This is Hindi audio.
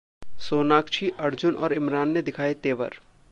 सोनाक्षी, अर्जुन और इमरान ने दिखाए 'तेवर'